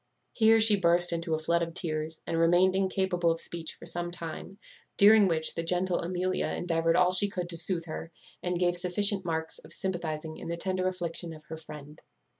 Here she burst into a flood of tears, and remained incapable of speech for some time; during which the gentle Amelia endeavoured all she could to soothe her, and gave sufficient marks of sympathizing in the tender affliction of her friend.